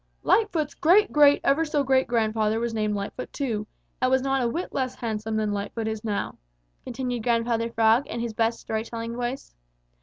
"Lightfoot's great great ever so great grandfather was named Lightfoot too, and was not a whit less handsome than Lightfoot is now," continued Grandfather Frog in his best story telling voice.